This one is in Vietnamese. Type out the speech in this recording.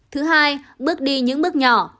thứ hai bước đi những bước nhỏ